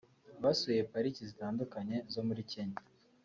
Basuye pariki zitandukanye zo muri Kenya